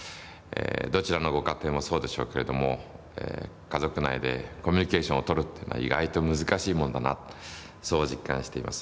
どちらのご家庭もそうでしょうけれども家族内でコミュニケーションをとるっていうのは意外と難しいもんだなそう実感しています。